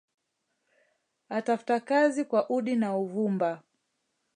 Atafta kazi kwa udi na uvumba